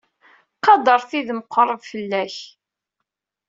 Qader tid meqqreb fell-ak.